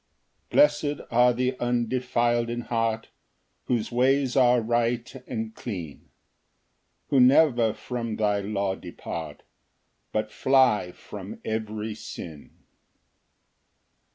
Ver. 1 2 3. 1 Blest are the undefil'd in heart, Whose ways are right and clean; Who never from thy law depart, But fly front every sin.